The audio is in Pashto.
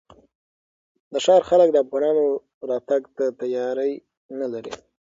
د ښار خلک د افغانانو راتګ ته تیاری نه لري.